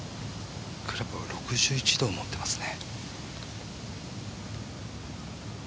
クラブは６１度を持っていますね。